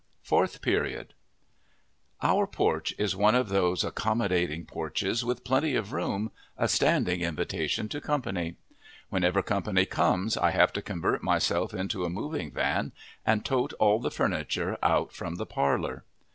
FOURTH PERIOD Our porch is one of those accommodating porches with plenty of room, a standing invitation to company. Whenever company comes I have to convert myself into a moving van and tote all the furniture out from the parlor.